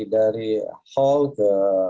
dari hall ke